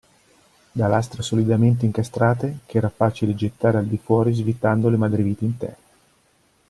Da lastre solidamente incastrate ch'era facile gettare al di fuori svitando le madreviti interne.